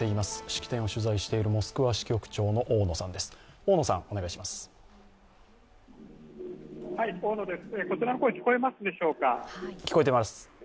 式典を取材しているモスクワ支局長の大野さん、お願いします。